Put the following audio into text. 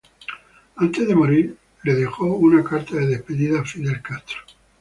Antes de morir, le dejó una carta de despedida a Fidel Castro.